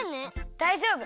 だいじょうぶ！